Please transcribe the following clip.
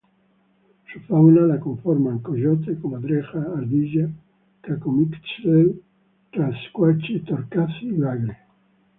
Su fauna la conforman: coyote, comadreja, ardilla, cacomixtle, tlacuache, torcaz y bagre.